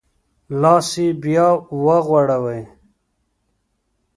لاس یې بیا وغوړوی.